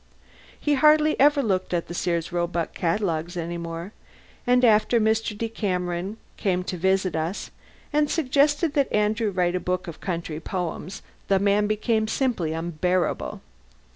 He hardly ever looked at the Sears Roebuck catalogues any more, and after Mr. Decameron came to visit us and suggested that Andrew write a book of country poems, the man became simply unbearable.